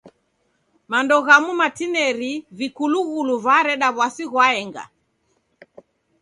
Mando ghamu matineri vikulughulu vareda w'asi ghwaenga.